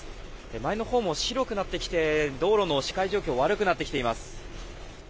前のほうも白くなってきて道路の視界状況悪くなってきています。